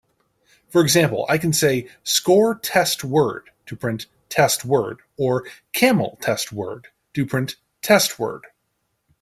For example, I can say "score test word" to print "test word", or "camel test word" to print "testWord".